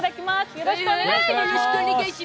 よろしくお願いします。